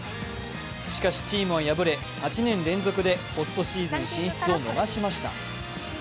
しかし、チームは敗れ８年連続でポストシーズン進出を逃しました。